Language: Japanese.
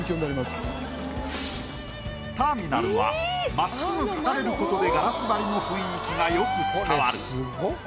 ターミナルは真っ直ぐ描かれることでガラス張りの雰囲気が良く伝わる。